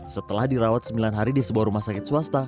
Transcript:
setelah dirawat sembilan hari di sebuah rumah sakit swasta